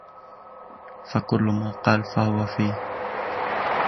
فَكُلُّ ما قالَ فَهُوَ فيهِ